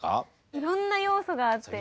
いろんな要素があって。